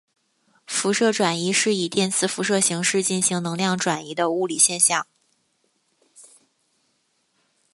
辐射转移是以电磁辐射形式进行能量转移的物理现象。